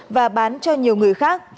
và bán cho nhiều người khác